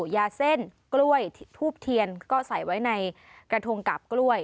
ยาเส้นกล้วยทูบเทียนก็ใส่ไว้ในกระทงกาบกล้วย